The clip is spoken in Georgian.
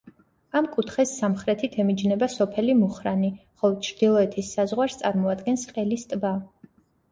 ამ კუთხეს სამხრეთით ემიჯნება სოფელი მუხრანი, ხოლო ჩრდილოეთის საზღვარს წარმოადგენს ყელის ტბა.